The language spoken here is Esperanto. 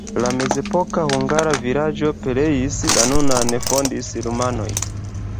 La mezepoka hungara vilaĝo pereis, la nunan fondis rumanoj.